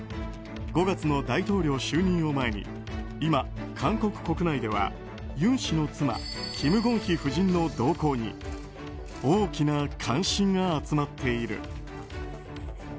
５月の大統領就任を前に今、韓国国内では尹氏の妻キム・ゴンヒ夫人の動向に大きな関心が集まっている。